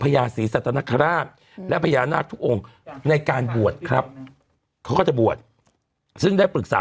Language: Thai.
พญาศิษฐและพญานาคตุในการบวชครับเขาก็จะบวชซึ่งได้ปรึกษา